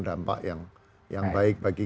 dampak yang baik bagi